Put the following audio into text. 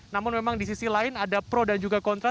namun memang di sisi lain ada pro dan juga kontra